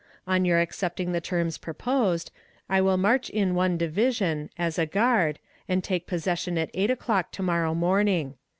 On your accepting the terms proposed, I will march in one division, as a guard, and take possession at eight o'clock to morrow morning.